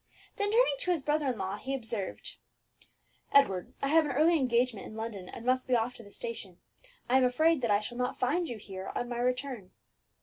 Then turning to his brother in law, he observed, "Edward, I have an early engagement in London, and must be off to the station. I am afraid that I shall not find you here on my return."